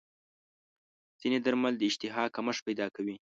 ځینې درمل د اشتها کمښت پیدا کوي.